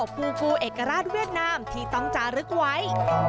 ภูเอกราชเวียดนามที่ต้องจารึกไว้